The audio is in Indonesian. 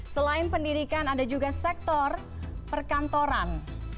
selain pendidikan ada juga sektor perkantoran